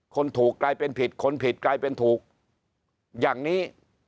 คนถูกกลายเป็นผิดคนผิดกลายเป็นถูกอย่างนี้